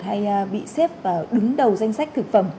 hay bị xếp vào đứng đầu danh sách thực phẩm